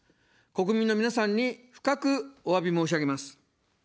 国民の皆さんに深くおわび申し上げます。